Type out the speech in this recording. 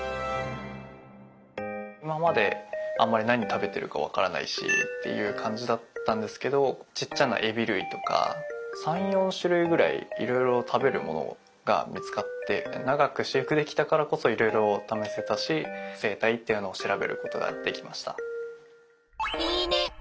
今まであんまり何食べてるか分からないしっていう感じだったんですけどちっちゃなエビ類とか３４種類ぐらいいろいろ食べるものが見つかって長く飼育できたからこそいろいろ試せたし生態っていうのを調べることができました。